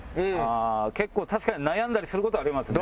ああ結構確かに悩んだりする事はありますね。